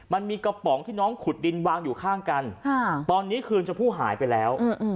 มันมีกระป๋องที่น้องขุดดินวางอยู่ข้างกันตอนนี้คืนชมพู่หายไปแล้ว